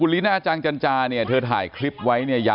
ลิน่าจังจันจาเนี่ยเธอถ่ายคลิปไว้เนี่ย